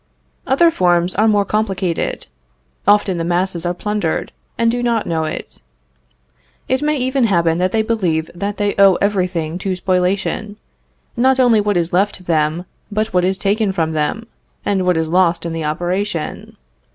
Other forms are more complicated. Often the masses are plundered, and do not know it. It may even happen that they believe that they owe every thing to spoliation, not only what is left them but what is taken from them, and what is lost in the operation.